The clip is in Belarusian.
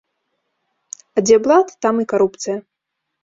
А дзе блат, там і карупцыя.